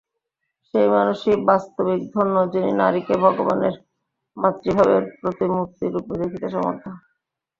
সেই মানুষই বাস্তবিক ধন্য, যিনি নারীকে ভগবানের মাতৃভাবের প্রতিমূর্তিরূপে দেখিতে সমর্থ।